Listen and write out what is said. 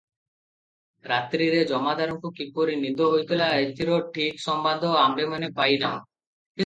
ରାତ୍ରିରେ ଜମାଦାରଙ୍କୁ କିପରି ନିଦ ହୋଇଥିଲା, ଏଥିର ଠିକ ସମ୍ବାଦ ଆମ୍ଭେମାନେ ପାଇ ନାହୁଁ ।